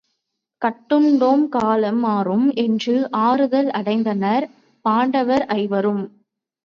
கட்டுண்டோம் காலம் மாறும் என்று ஆறுதல் அடைந்தனர் பாண்டவர் ஐவரும்.